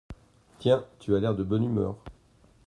Tiens ! tu as l’air de bonne humeur !